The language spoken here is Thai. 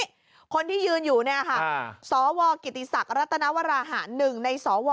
นี่คนที่ยืนอยู่เนี่ยค่ะสวกิติศักดิ์รัตนวราหาร๑ในสว